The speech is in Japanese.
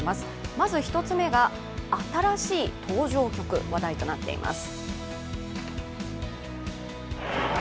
まず１つ目が、新しい登場曲、話題となっています。